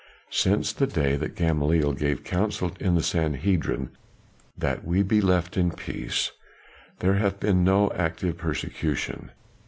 "Since the day that Gamaliel gave counsel in the Sanhedrim that we be left in peace, there hath been no active persecution.